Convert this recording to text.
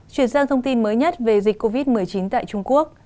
chuyển sang thông tin mới nhất về dịch covid một mươi chín tại trung quốc